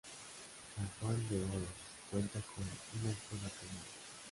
San Juan de Oros cuenta con una escuela primaria.